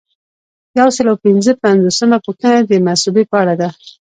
یو سل او پنځه پنځوسمه پوښتنه د مصوبې په اړه ده.